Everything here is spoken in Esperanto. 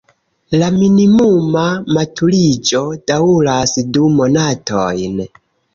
La minimuma maturiĝo daŭras du monatojn.